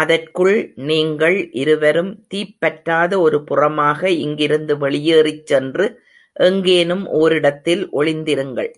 அதற்குள் நீங்கள் இருவரும் தீப் பற்றாத ஒரு புறமாக இங்கிருந்து வெளியேறிச் சென்று எங்கேனும் ஒரிடத்தில் ஒளிந்திருங்கள்.